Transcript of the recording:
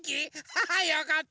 ハハよかった。